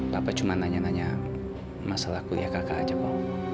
papa cuma nanya nanya masalah kuliah kakak aja po